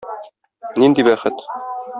Нинди бәхет!